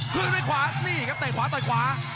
คืนด้วยขวานี่ครับเตะขวาต่อยขวา